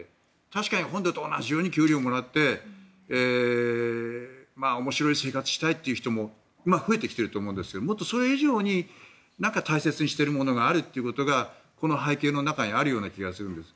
確かに本土と同じように給料をもらって面白い生活をしたいという人も増えてきているとは思うんですがそれ以上に大切にしているものがあるということがこの背景の中にあるような気がするんです。